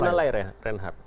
bukan lalai reinhardt